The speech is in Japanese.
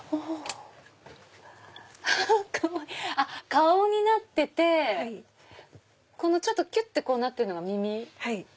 顔になっててきゅってなってるのが耳。